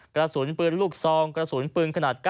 กระสุนปืนลูกซองกระสุนปืนขนาด๙